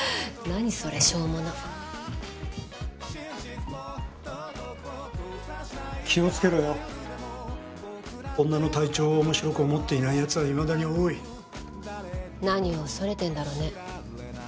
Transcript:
何それしょうもなっ気をつけろよ女の隊長を面白く思っていないやつはいまだに多い何を恐れてんだろうね